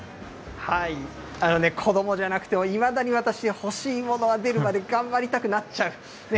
子どもじゃなくても、いまだに私、欲しいものが出るまで頑張りたくなっちゃう。